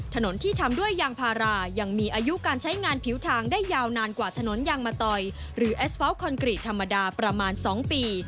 ถนนที่ทำด้วยยางพารายังมีอายุการใช้งานผิวทางได้ยาวนานกว่าถนนยางมะตอยหรือแอสวทคอนกรีตธรรมดาประมาณ๒ปี